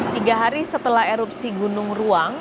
tiga hari setelah erupsi gunung ruang